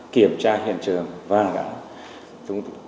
kiểm tra hiện trường và hành gã